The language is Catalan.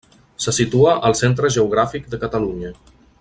Se situa al centre geogràfic de Catalunya.